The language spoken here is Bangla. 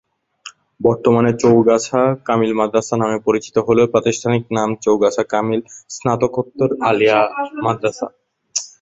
বর্তমানে চৌগাছা কামিল মাদ্রাসা নামে পরিচিত হলেও প্রাতিষ্ঠানিক নাম চৌগাছা কামিল স্নাতকোত্তর আলিয়া মাদ্রাসা।